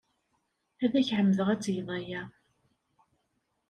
Ad ak-ɛemmdeɣ ad tgeḍ aya.